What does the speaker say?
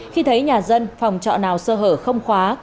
khi thấy nhà dân phòng trọ nào sơ hở không khóa